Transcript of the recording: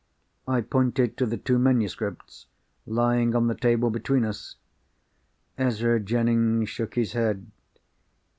I pointed to the two manuscripts, lying on the table between us. Ezra Jennings shook his head.